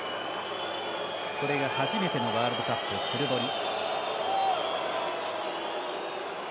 初めてのワールドカップクルボリ。